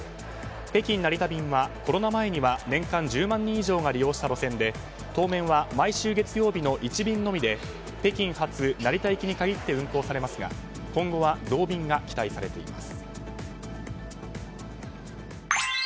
北京成田便はコロナ前には年間１０万人以上が利用した路線で当面は毎週月曜日の１便のみで北京発成田行きに限ってのみ運航されますが今後は同便が期待されています。